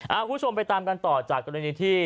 คุณผู้ชมไปตามกันต่อจากกรณีที่